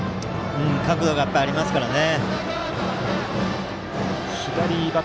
角度がありますからね。